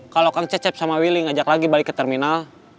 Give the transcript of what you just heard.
kalau kang cecep sama willy ngajak lagi balik ke terminal